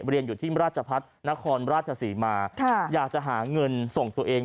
เรียนอยู่ที่ราชพัฒนครราชศรีมาอยากจะหาเงินส่งตัวเอง